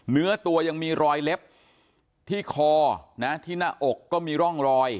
เนื้อตัวยังมีรอยเล็บที่คอนะที่หน้าอกก็มีร่องรอย